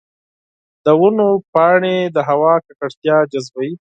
د ونو پاڼې د هوا ککړتیا جذبوي.